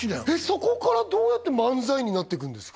そこからどうやって漫才になっていくんですか？